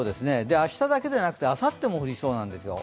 明日だけでなくて、あさっても降りそうなんですよ。